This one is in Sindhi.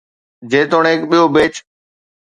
جيتوڻيڪ ٻيو بيچ.